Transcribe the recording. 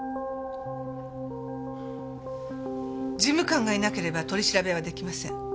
事務官がいなければ取り調べは出来ません。